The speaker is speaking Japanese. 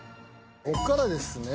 こっからですね。